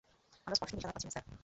আমরা স্পষ্ট নিশানা পাচ্ছি না, স্যার!